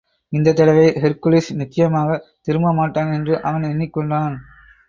இந்தத் தடவை ஹெர்க்குலிஸ் நிச்சயமாகத் திரும்ப மாட்டான் என்று அவன் எண்ணிக்கொண்டான்.